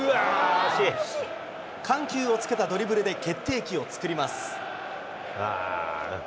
緩急をつけたドリブルで決定機を作ります。